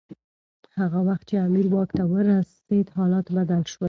هغه وخت چي امیر واک ته ورسېد حالات بدل شول.